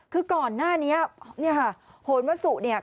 คือก่อนหน้านี้โฮนวัสุค่ะ